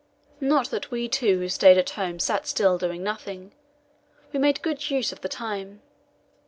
Not that we two who stayed at home sat still doing nothing. We made good use of the time.